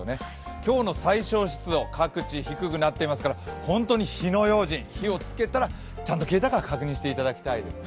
今日の最小湿度、各地低くなってますから、本当に火の用心、火をつけたらちゃんと消えたか確認してくださいね。